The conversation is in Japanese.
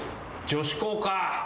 女子校か。